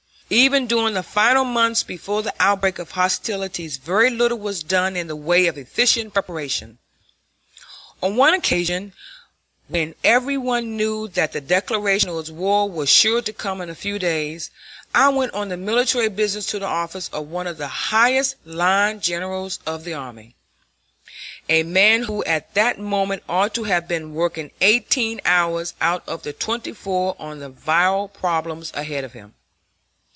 Even during the final months before the outbreak of hostilities very little was done in the way of efficient preparation. On one occasion, when every one knew that the declaration of war was sure to come in a few days, I went on military business to the office of one of the highest line generals of the army, a man who at that moment ought to have been working eighteen hours out of the twenty four on the vital problems ahead of him.